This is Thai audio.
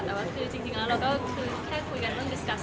แต่ว่าคือจริงแล้วเราก็คือแค่คุยกัน